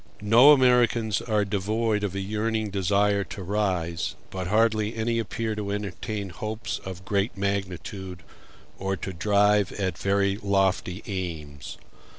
No Americans are devoid of a yearning desire to rise; but hardly any appear to entertain hopes of great magnitude, or to drive at very lofty aims.